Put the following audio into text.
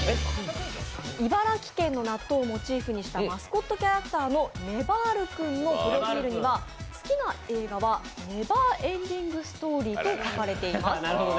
茨城県の納豆をモチーフにしたマスコットキャラクターのねばる君のプロフィールには、好きな映画は、「ネバーエンディング・ストーリー」と書かれています。